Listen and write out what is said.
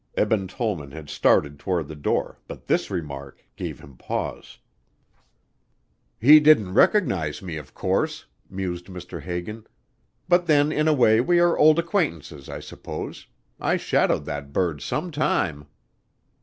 Eben Tollman had started toward the door, but this remark gave him pause. "He didn't recognize me of course," mused Mr. Hagan, "but then in a way we are old acquaintances, I suppose I shadowed that bird some time."